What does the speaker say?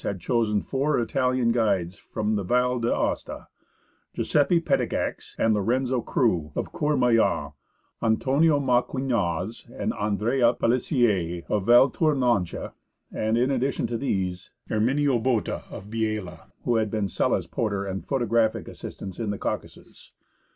had chosen four ItaHan guides from the Val d'Aosta : Giuseppe Petigax and Lorenzo Croux, of Courmayeur ; Antonio Maquignaz and Andrea Pellissier, of Valtournanche ; and in addition to these, Erminio Botta, of Biella, who had been Sella's porter and photo graphic assistant in the Caucasus.